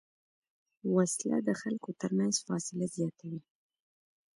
وسله د خلکو تر منځ فاصله زیاتوي